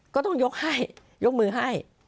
ก็ต้องยกให้ยกมือให้